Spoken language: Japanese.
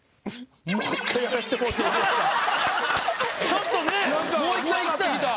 ちょっとねもう一回いきたい。